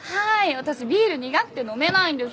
私ビール苦くて飲めないんです。